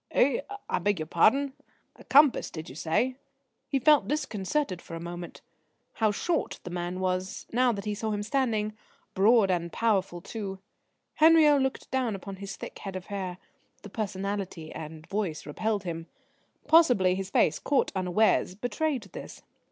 "Eh? I beg your pardon? A compass, did you say?" He felt disconcerted for a moment. How short the man was, now that he saw him standing. Broad and powerful too. Henriot looked down upon his thick head of hair. The personality and voice repelled him. Possibly his face, caught unawares, betrayed this.